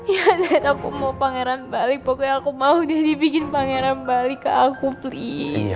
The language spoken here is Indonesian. ya dad aku mau pangeran balik pokoknya aku mau dedi bikin pangeran balik ke aku please